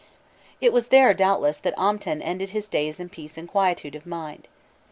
It was there, doubtless, that Amten ended his days in peace and quietude of mind.